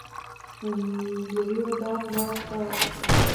انډریو ډاټ باس ساه واخیسته